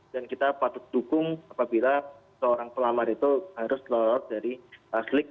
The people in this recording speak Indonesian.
dan kita patut dukung apabila seorang pelamar itu harus lolos dari sleek